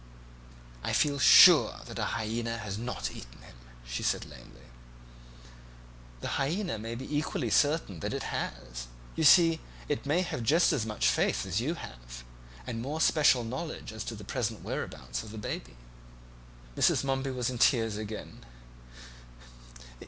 "I feel sure that a hyaena has not eaten him," she said lamely. "The hyaena may be equally certain that it has. You see, it may have just as much faith as you have, and more special knowledge as to the present whereabouts of the baby." Mrs. Momeby was in tears again.